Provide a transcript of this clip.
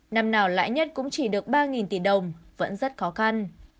năm nào lãi nhất cũng chỉ được ba tỷ đồng vẫn rất khó khăn